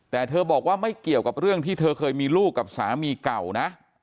แต่เธอบอกว่าไม่เกี่ยวกับเรื่องที่เธอเคยมีลูกกับสามีเก่านะ